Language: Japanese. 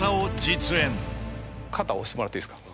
肩押してもらっていいですか？